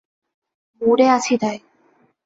মুডে আছি তাই!